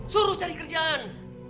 suruh cari kerjaan